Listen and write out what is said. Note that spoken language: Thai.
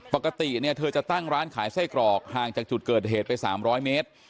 ปกติเนี่ยเธอจะตั้งร้านขายไส้กรอกห่างจากจุดเกิดเหตุไป๓๐๐เมตร